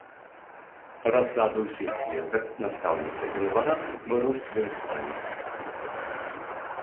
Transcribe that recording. Расаду ўсіх кветак настаўніца і лабарант вырошчваюць самі.